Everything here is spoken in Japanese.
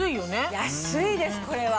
安いですこれは。